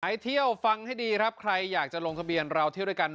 ไปเที่ยวฟังให้ดีครับใครอยากจะลงทะเบียนเราเที่ยวด้วยกัน